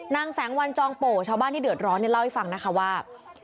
นางแสงวันจองโป่ชาวบ้านที่เดือดร้อนเนี่ยเล่าให้ฟังนะคะว่า